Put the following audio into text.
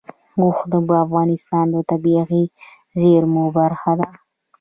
اوښ د افغانستان د طبیعي زیرمو برخه ده.